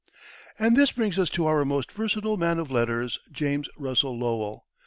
And this brings us to our most versatile man of letters James Russell Lowell.